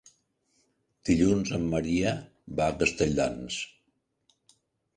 Dilluns en Maria va a Castelldans.